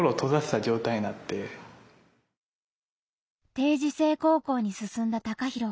定時制高校に進んだタカヒロ。